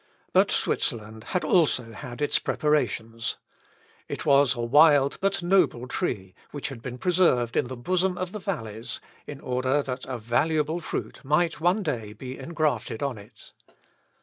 But Switzerland had also had its preparations. It was a wild but noble tree, which had been preserved in the bosom of the valleys, in order that a valuable fruit might one day be engrafted on it.